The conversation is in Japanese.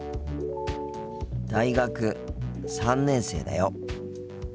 大学３年生だよ。